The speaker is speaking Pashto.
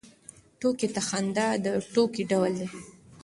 ټوکې ته خندا د ټوکې ډول دی.